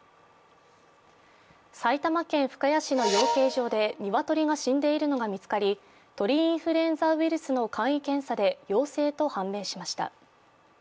埼玉県深谷市の養鶏場で鶏が死んでいるのが見つかり鳥インフルエンザウイルスの簡易検査で陽性と判明しました。